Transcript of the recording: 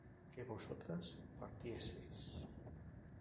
que vosotras partieseis